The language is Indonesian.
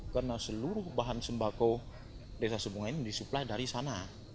karena seluruh bahan sembako desa sembunga ini disuplai dari sana